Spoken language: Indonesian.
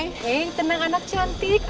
hei tenang anak cantik